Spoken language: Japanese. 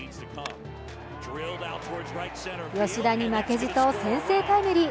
吉田に負けじと先制タイムリー。